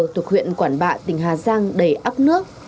thuộc huyện quản bạ tỉnh hà giang đầy áp nước